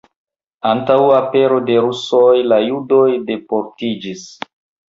Antaŭ apero de rusoj la judoj deportiĝis.